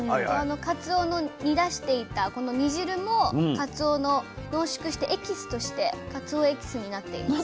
かつおを煮出していたこの煮汁もかつおの濃縮してエキスとしてかつおエキスになっています。